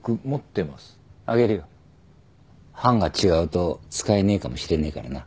版が違うと使えねえかもしれねえからな。